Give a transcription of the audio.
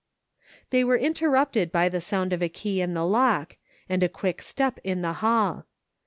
They were interrupted by the sound of a key in the lock, and a quick step in the hall.